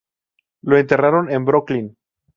Lo enterraron en Brooklyn.